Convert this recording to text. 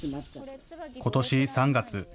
ことし３月。